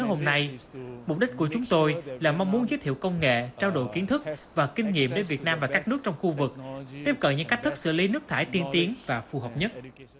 hôm nay mục đích của chúng tôi là mong muốn giới thiệu công nghệ trao đổi kiến thức và kinh nghiệm đến việt nam và các nước trong khu vực tiếp cận những cách thức xử lý nước thải tiên tiến và phù hợp nhất